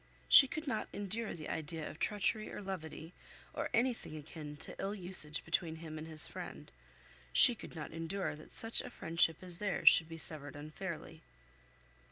She could not endure the idea of treachery or levity, or anything akin to ill usage between him and his friend. She could not endure that such a friendship as theirs should be severed unfairly.